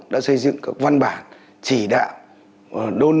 đã xây dựng các văn bản chỉ đạo